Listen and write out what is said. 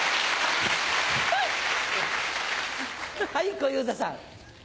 はい小遊三さん。